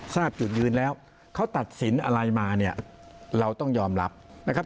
ทราบจุดยืนแล้วเขาตัดสินอะไรมาเนี่ยเราต้องยอมรับนะครับ